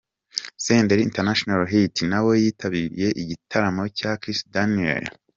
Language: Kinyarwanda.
Senderi International Hit nawe yitabiriye igitaramo cya Kiss Daniel.